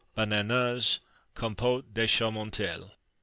Bananas. Compote de Chaumontelle.